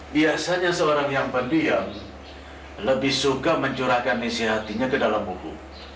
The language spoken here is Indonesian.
biasanya seorang yang pendiam lebih suka mencurahkan isi hatinya ke dalam buku